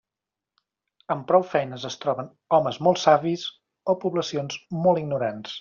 Amb prou feines es troben homes molt savis o poblacions molt ignorants.